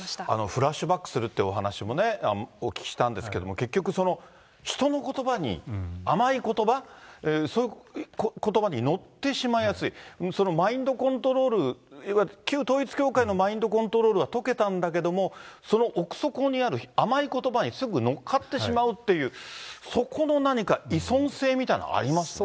フラッシュバックするってお話もね、お聞きしたんですけれども、結局、人のことばに、甘いことば、そういうことばにのってしまいやすい、そのマインドコントロール、いわゆる旧統一教会のマインドコントロールはとけたんだけども、その奥底にある甘いことばにすぐのっかってしまうっていう、そこの何か依存性みたいなのありますか。